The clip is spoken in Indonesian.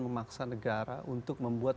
memaksa negara untuk membuat